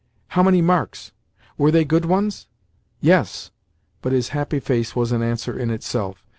"How many marks? Were they good ones?" "Yes." But his happy face was an answer in itself.